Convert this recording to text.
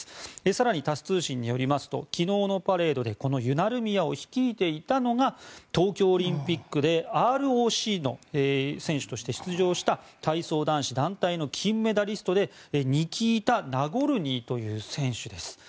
更に、タス通信によりますと昨日のパレードでこのユナルミヤを率いていたのが東京オリンピックでＲＯＣの選手として出場した体操男子団体の金メダリストでニキータ・ナゴルニーという選手です。